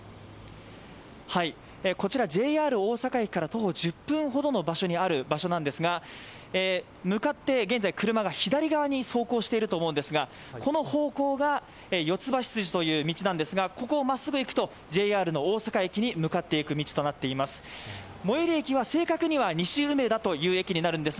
ＪＲ大阪駅から徒歩１０分ほどの場所なんですが、向かって左側に車が走行していますがこの方向が四つ橋筋という道なんですがここをまっすぐ行くとＪＲ大阪駅に向かっていく道となっております。